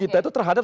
kita itu terhadap